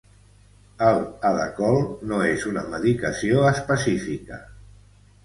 El Hadacol no és una medicació específica.